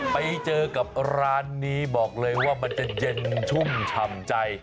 ไปเจอกับร้านนี้บอกเลยว่ามันจะเย็นชุ่มฉ่ำใจ